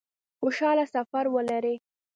خوشحاله سفر ولري